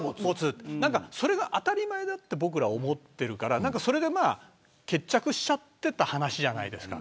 それが当たり前だと僕らは思っているからそれで決着していた話じゃないですか。